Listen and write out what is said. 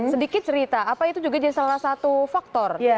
sedikit cerita apa itu juga jadi salah satu faktor